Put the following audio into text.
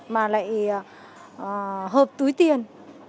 mà lại hợp túi tiền